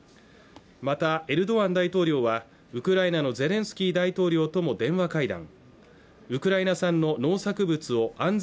またエルドアン大統領はウクライナのゼレンスキー大統領とも電話会談